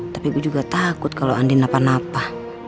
tapi ibu juga takut kalau andin napa napa